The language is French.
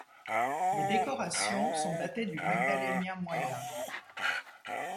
Les décorations sont datées du Magdalénien moyen.